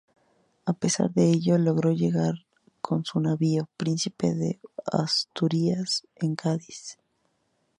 A pesar de ello, logró llegar con su navío "Príncipe de Asturias" a Cádiz.